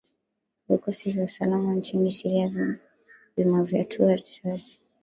vikosi vya usalama nchini siria vimavyatua risasi